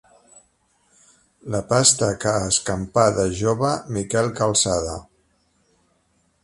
La pasta que escampà de jove Miquel Calçada.